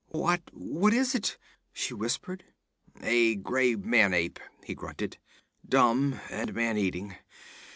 'What what is it?' she whispered. 'A gray man ape,' he grunted. 'Dumb, and man eating.